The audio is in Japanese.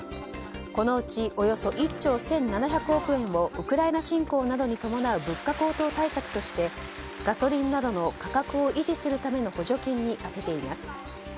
このうちおよそ１兆１７００億円をウクライナ侵攻などに伴う物価高騰対策としてガソリンなどの価格を維持するための補助金に充てています。